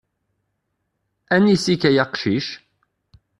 Anis-ik ay aqcic?